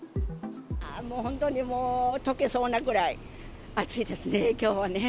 本当にとけそうなくらい暑いですね、きょうはね。